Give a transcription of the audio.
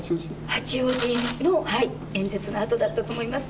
八王子の演説のあとだったと思います。